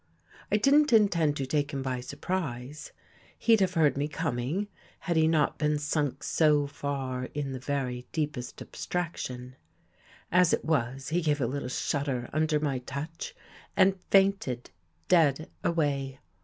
I didn't intend to take him by surprise. He'd have heard me coming, had he not been sunk so far in the very deepest abstraction. As it was, he gave a little shudder under my touch and fainted dead away.